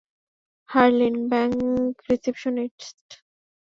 Harleen, bank receptionist!